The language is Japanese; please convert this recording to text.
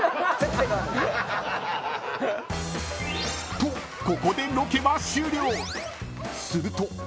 ［とここでロケは終了］